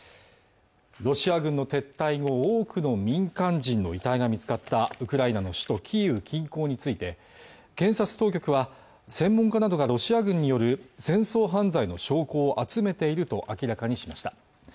ロシア軍の撤退後多くの民間人の遺体が見つかったウクライナの首都キーウ近郊について検察当局は専門家などがロシア軍による戦争犯罪の証拠を集めていると明らかにしました